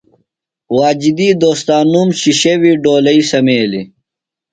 واجدی دوستانوم شِشیویۡ ڈولئی سمیلیۡ۔